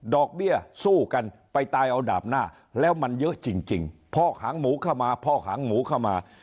เบี้ยสู้กันไปตายเอาดาบหน้าแล้วมันเยอะจริงพอกหางหมูเข้ามาพอกหางหมูเข้ามา